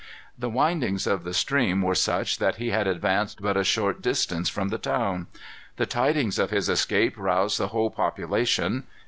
The windings of the stream were such that he had advanced but a short distance from the town. The tidings of his escape roused the whole population.